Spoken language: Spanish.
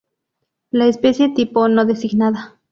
La especie tipo no designada.